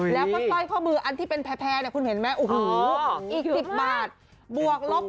แล้วก็สร้อยข้อมืออันที่เป็นแพ้คุณเห็นไหม